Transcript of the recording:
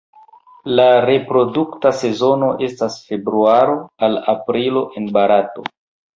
La reprodukta sezono estas februaro al aprilo en Barato.